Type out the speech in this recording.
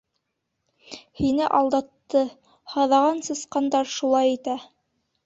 Һине алдатты, һаҙаған сысҡандар шулай итә.